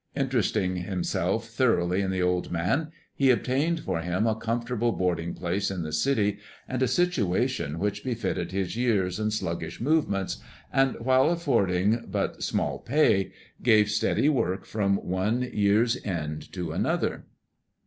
Interesting himself thoroughly in the old man, he obtained for him a comfortable boarding place in the city and a situation which befitted his years and sluggish movements, and, while affording but small pay, gave steady work from one year's end to another.